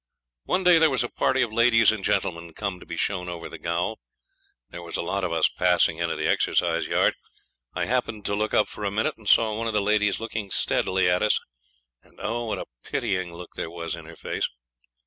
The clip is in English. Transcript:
One day there was a party of ladies and gentlemen came to be shown over the gaol. There was a lot of us passing into the exercise yard. I happened to look up for a minute, and saw one of the ladies looking steadily at us, and oh! what a pitying look there was in her face.